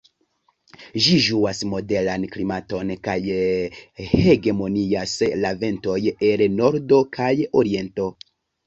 Ĝi ĝuas moderan klimaton, kaj hegemonias la ventoj el nordo kaj oriento.